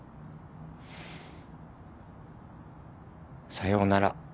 さようなら